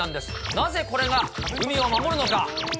なぜこれが海を守るのか。